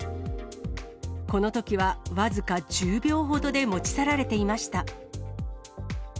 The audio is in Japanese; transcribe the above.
このときは、僅か１０秒ほどで持ち去られていました。